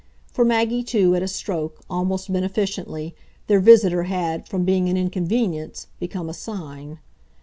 For Maggie too, at a stroke, almost beneficently, their visitor had, from being an inconvenience, become a sign.